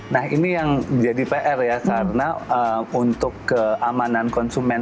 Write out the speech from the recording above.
nah ini yang jadi pr ya karena untuk keamanan konsumen